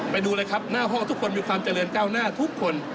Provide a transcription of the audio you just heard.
ไปดูเลยครับหน้าห้องทุกคนมีความเจริญก้าวหน้าทุกคน